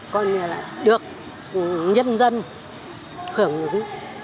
coi như là được nhân dân khưởng ứng